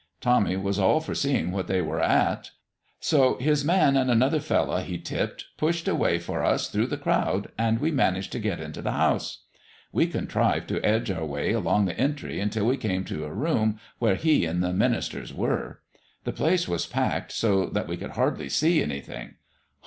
Tommy was all for seeing what they were at. So his man, and another fellow he tipped, pushed a way for us through the crowd, and we managed to get into the house. We contrived to edge our way along the entry until we came to a room where He and the ministers were. The place was packed so that we could hardly see anything.